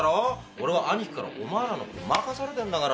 俺は兄貴からお前らのこと任されてんだから。